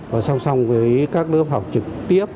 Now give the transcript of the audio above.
và song song với các bước học trực tiếp